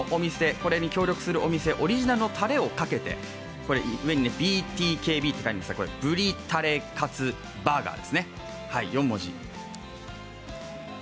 これに協力するお店オリジナルのたれをかけて、ＢＴＫＢと書いてありますが、ブリたれカツバーガーですね、４文字。